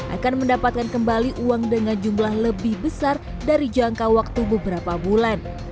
akan mendapatkan kembali uang dengan jumlah lebih besar dari jangka waktu beberapa bulan